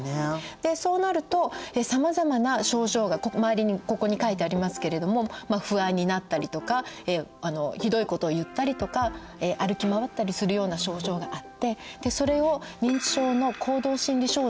そうなるとさまざまな症状が周りにここに書いてありますけれども不安になったりとかひどいことを言ったりとか歩き回ったりするような症状があってそれを認知症の行動心理症状といいます。